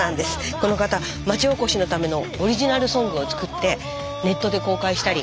この方まちおこしのためのオリジナルソングを作ってネットで公開したり。